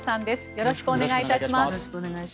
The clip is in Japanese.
よろしくお願いします。